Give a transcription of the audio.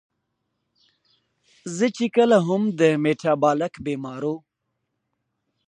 زۀ چې کله هم د ميټابالک بيمارو